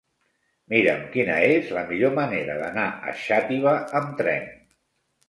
Mira'm quina és la millor manera d'anar a Xàtiva amb tren.